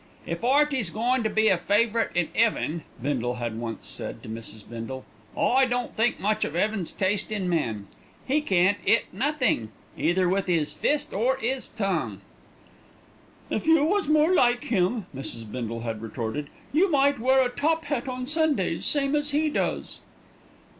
"If 'Earty's goin' to be a favourite in 'eaven," Bindle had once said to Mrs. Bindle, "I don't think much of 'eaven's taste in men. 'E can't 'it nothink, either with 'is fist or 'is tongue." "If you was more like him," Mrs. Bindle had retorted, "you might wear a top hat on Sundays, same as he does."